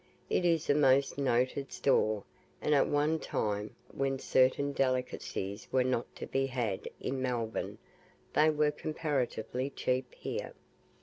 It is a most noted store, and at one time when certain delicacies were not to be had in Melbourne they were comparatively cheap here.